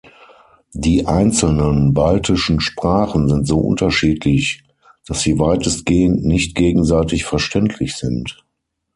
Die einzelnen baltischen Sprachen sind so unterschiedlich, dass sie weitestgehend nicht gegenseitig verständlich sind.